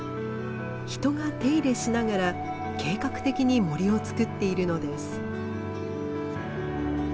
人が手入れしながら計画的に森を作っているのです。